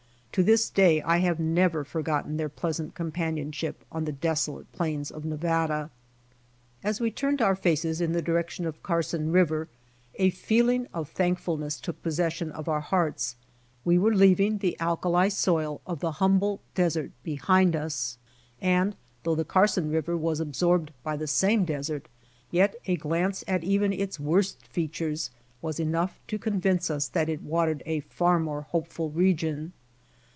To this day I have never forgotten their pleasant companionship on the desolate plains of Nevada. As we turned our faces in the direction of Carson river a feeling of thankfulness took pos session of our hearts. We were leaving the alkali soil of the Humboldt desert behind us, and though the Carson river was absorbed by the same desert, yet a glance at even its worst features was enough to con vince us that it watered a far more hopeful region.